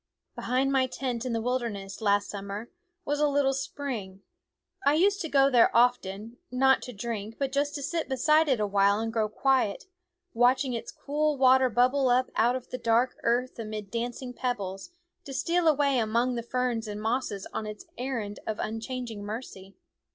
Behind my tent in the wilderness, last summer, was a little spring. I used to go there often, not to drink, but just to sit beside it awhile and grow quiet, watching its cool waters bubble up out of the dark earth amid dancing pebbles to steal away among the ferns and mosses on its errand of unchan ging mercy.